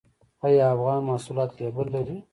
آیا افغاني محصولات لیبل لري؟